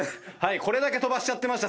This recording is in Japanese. これだけ飛ばしちゃってました。